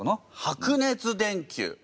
白熱電球。